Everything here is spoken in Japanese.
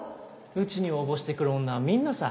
うちに応募してくる女はみんなさ。